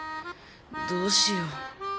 どうしよう。